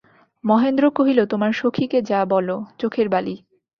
মহেন্দ্র কহিল, তোমার সখীকে যা বল–চোখের বালি।